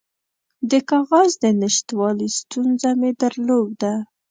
د کاغذ د نشتوالي ستونزه مې درلوده.